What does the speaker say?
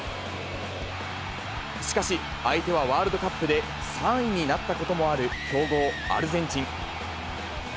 しかし、相手はワールドカップで３位になったこともある強豪、アルゼンチン。